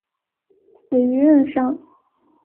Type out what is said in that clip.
死于任上。